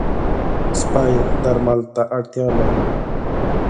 سپي درمل ته اړتیا لري.